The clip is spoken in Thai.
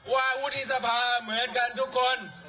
วุฒิสภาเหมือนกันทุกคน